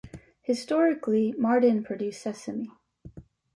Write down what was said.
Historically, Mardin produced sesame.